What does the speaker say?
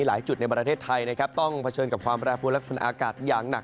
หลายจุดในประเทศไทยนะครับต้องเผชิญกับความแปรปวนลักษณะอากาศอย่างหนัก